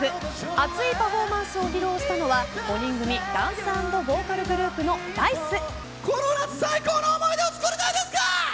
熱いパフォーマンスを披露したのは５人組ダンスボーカルグループのＤａ−ｉＣＥ。